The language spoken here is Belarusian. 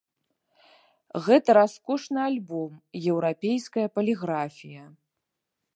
Гэта раскошны альбом, еўрапейская паліграфія.